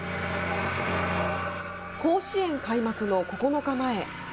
甲子園開幕の９日前。